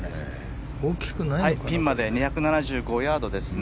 ピンまで２７５ヤードですね。